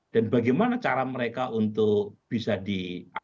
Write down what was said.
dan bagaimana cara mereka untuk bisa diatasi